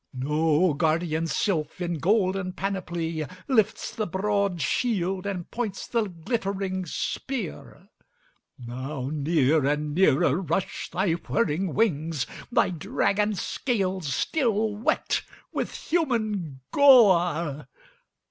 No guardian sylph, in golden panoply, Lifts the broad shield, and points the glittering spear. Now near and nearer rush thy whirring wings, Thy dragon scales still wet with human gore.